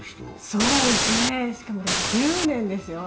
そうですね、しかも１０年ですよ。